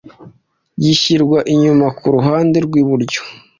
gishyirwa inyuma kuruhande rw’iburyo